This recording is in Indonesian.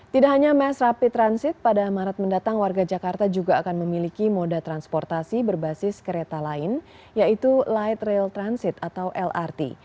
tidak hanya mass rapid transit pada maret mendatang warga jakarta juga akan memiliki moda transportasi berbasis kereta lain yaitu light rail transit atau lrt